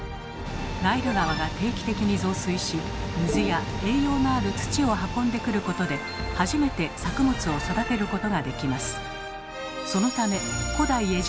ナイル川が定期的に増水し水や栄養のある土を運んでくることで初めて作物を育てることができます。